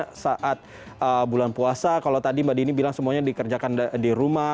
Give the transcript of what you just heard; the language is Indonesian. pada saat bulan puasa kalau tadi mbak dini bilang semuanya dikerjakan di rumah